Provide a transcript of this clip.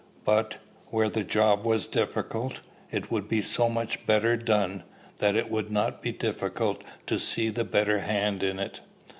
But, where the job was difficult, it would be so much better done, that it would not be difficult to see the better hand in it."